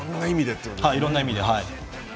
いろいろな意味で。